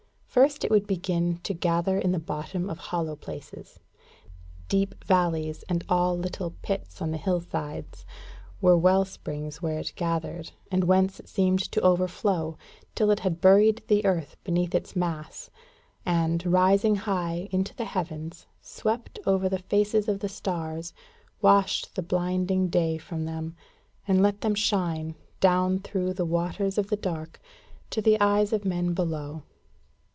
First it would begin to gather in the bottom of hollow places. Deep valleys, and all little pits on the hill sides, were well springs where it gathered, and whence it seemed to overflow, till it had buried the earth beneath its mass, and, rising high into the heavens, swept over the faces of the stars, washed the blinding day from them, and let them shine, down through the waters of the dark, to the eyes of men below.